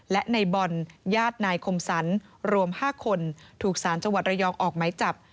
และในบอลญาตินายคมสรรรวม๕คนถูกสารจังหวัดระยองออกไหมจับ